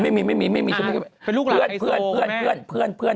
ไม่มีฉันเป็นเพื่อนฉันเป็น